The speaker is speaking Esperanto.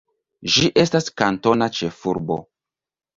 Ĝi estas kantona ĉefurbo.